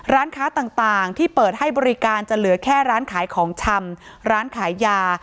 และร้านขายของชำร้านขายยา